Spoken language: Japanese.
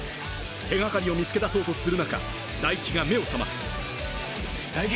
手掛かりを見つけ出そうとする中大樹が目を覚ます大樹！